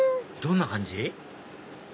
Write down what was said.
どんな感じ？